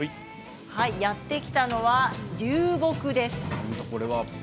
やって来たのは流木です。